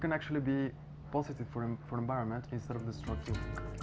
dan kita bisa menjadi positif untuk alam semesta daripada mencari struktur